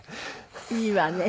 いいわね。